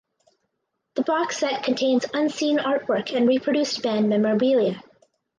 The box set contains unseen artwork and reproduced band memorabilia.